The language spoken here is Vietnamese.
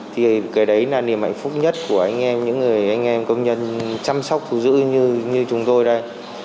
thì cái đấy là niềm hạnh phúc nhất của anh em những người anh em công nhân chăm sóc thú giữ như chúng tôi đây